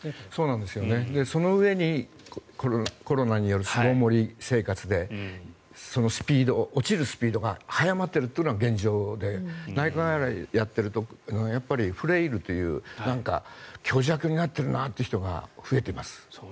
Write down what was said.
そのうえにコロナによる巣ごもり生活で落ちるスピードが速まっているというのが現状で内科外来をやっているとやっぱりフレイルという虚弱になっているなという人が増えています。